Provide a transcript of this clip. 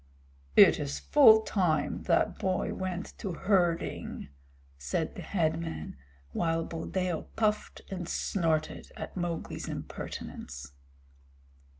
"It is full time that boy went to herding," said the head man, while Buldeo puffed and snorted at Mowgli's impertinence.